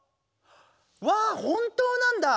わあ本当なんだ！